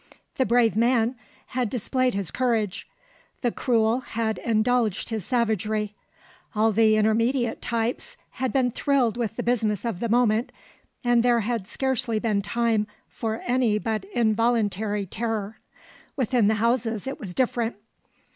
The brave man had displayed his courage; the cruel had indulged his savagery; all the intermediate types had been thrilled with the business of the moment, and there had scarce been time for any but involuntary terror. Within the houses it was different.